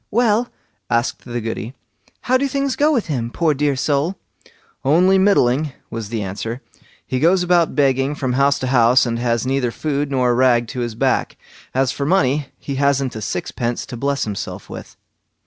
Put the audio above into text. "Well", asked the Goody, "how do things go with him, poor dear soul?" "Only middling", was the answer; "he goes about begging from house to house, and has neither food nor a rag to his back. As for money, he hasn't a sixpence to bless himself with."